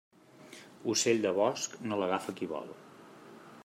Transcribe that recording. Ocell de bosc no l'agafa qui vol.